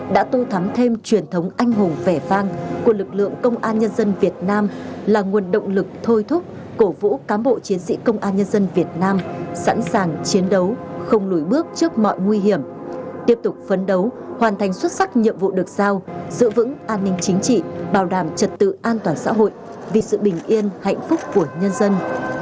đã tu thắm thêm truyền thống anh hùng vẻ vang của lực lượng công an nhân dân việt nam là nguồn động lực thôi thúc cổ vũ cám bộ chiến sĩ công an nhân dân việt nam sẵn sàng chiến đấu không lùi bước trước mọi nguy hiểm tiếp tục phấn đấu hoàn thành xuất sắc nhiệm vụ được giao giữ vững an ninh chính trị bảo đảm trật tự an toàn xã hội vì sự bình yên hạnh phúc của nhân dân